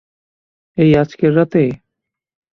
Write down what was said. এই আজকের রাতে?